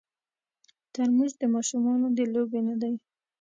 ترموز د ماشومانو د لوبې نه دی.